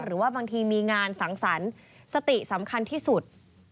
หรือว่าบางทีมีงานสังสรรค์สติสำคัญที่สุด